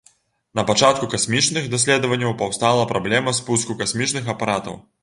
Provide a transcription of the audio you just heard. Напачатку касмічных даследаванняў паўстала праблема спуску касмічных апаратаў.